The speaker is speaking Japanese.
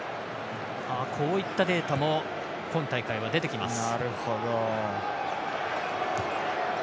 こういったデータも今大会は出てきます。